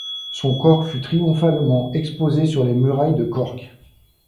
Son corps fut triomphalement exposé sur les murailles de Cork.